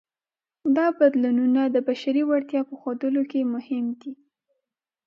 دا بدلونونه د بشري وړتیا په ښودلو کې مهم دي.